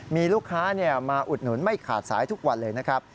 มีลูกค้ามาอุดหนุนไม่ขาดสายทุกวันเลยนะครับ